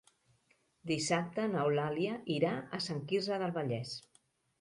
Dissabte n'Eulàlia irà a Sant Quirze del Vallès.